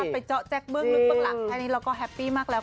ไปเจาะแจ๊กเบื้องนึงตรงหลัง